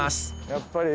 やっぱり。